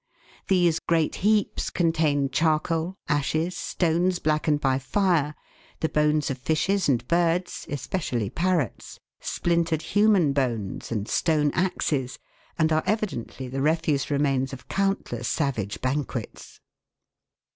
These great heaps contain charcoal, ashes, stones blackened by fire, the bones of fishes and birds, especially parrots, splintered human bones and stone axes, and are evidently the refuse remains of countless savage banquets.